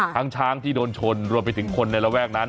ช้างที่โดนชนรวมไปถึงคนในระแวกนั้น